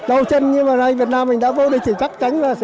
đầu chân như vậy này việt nam mình đã vô địch chỉ chắc tránh và sẽ